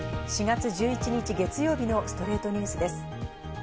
４月１１日、月曜日の『ストレイトニュース』です。